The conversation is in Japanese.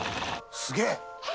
すげえ。